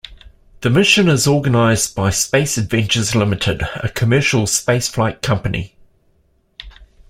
The mission is organized by Space Adventures Ltd., a commercial spaceflight company.